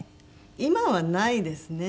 今はないですね。